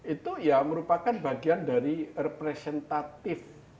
itu ya merupakan bagian dari representatif